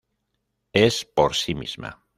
Es por sí misma.